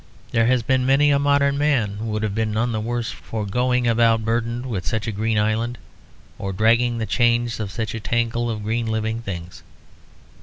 There has been many a modern man would have been none the worse for "going" about burdened with such a green island, or dragging the chains of such a tangle of green living things.